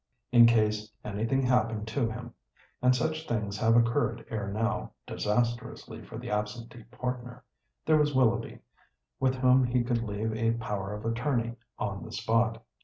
In case "anything happened to him"—and such things have occurred ere now, disastrously for the absentee partner—there was Willoughby, with whom he could leave a power of attorney, on the spot.